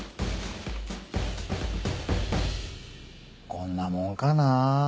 こんなもんかなぁ。